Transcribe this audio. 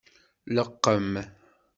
Leqqem.